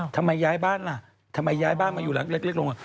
ทำไมย้ายบ้านล่ะทำไมย้ายบ้านมาอยู่หลังเล็กลง